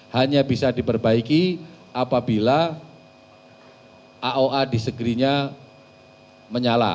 hanya bisa diperbaiki apabila aoa disagree nya menyala